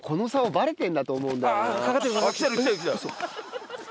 「バレてる」